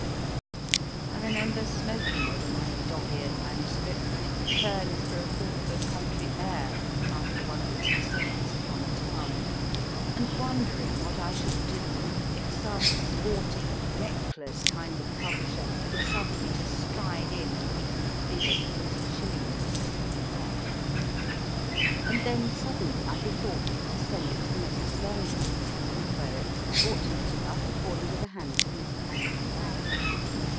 I remember smoking over my dog eared manuscript when it returned for a whiff of country air after one of its descents upon town, and wondering what I should do if some sporting, reckless kind of publisher were suddenly to stride in and make me a bid of forty shillings or so for the lot. And then suddenly I bethought me to send it to Messrs. Longmans, where it was fortunate enough to fall into the hands of Mr. Andrew Lang.